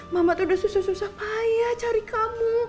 mama tuh udah susah susah ayah cari kamu